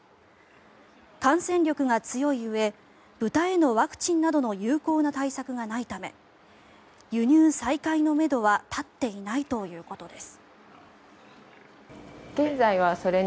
感染力が強いうえ豚へのワクチンなどの有効な対策がないため輸入再開のめどは立っていないということです。